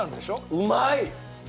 うまい！